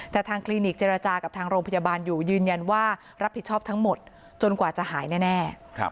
แต่ทางคลินิกเจรจากับทางโรงพยาบาลอยู่ยืนยันว่ารับผิดชอบทั้งหมดจนกว่าจะหายแน่